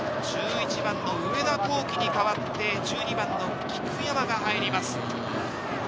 １１番の上田幸輝に代わって、１２番の菊山が入ります。